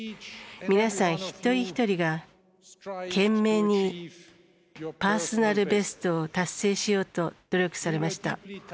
皆さん、一人一人が懸命にパーソナルベストを達成しようと努力されました。